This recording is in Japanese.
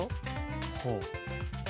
ほう。